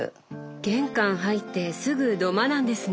玄関入ってすぐ土間なんですね